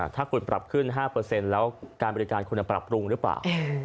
ถ้าคุณปรับขึ้น๕แล้วการบริการคุณจะปรับปรุงหรือเปล่า